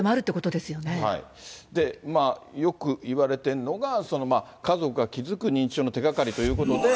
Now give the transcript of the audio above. で、よく言われてるのが、家族が気付く認知症の手掛かりということで。